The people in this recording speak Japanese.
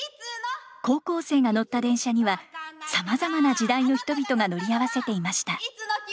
高校生が乗った電車にはさまざまな時代の人々が乗り合わせていました。